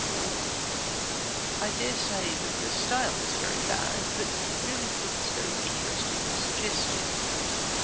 Or: "I dare say the style is very bad, but really the book is very interesting and suggestive."